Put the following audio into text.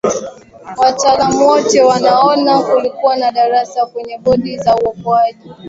wataalam wote wanaona kulikuwa na darasa kwenye bodi za uokoaji